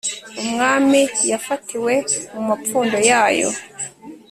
umwami yafatiwe mu mapfundo yayo